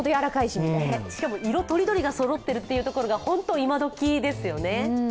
しかも、色とりどりがそろってるところが本当に今どきですよね。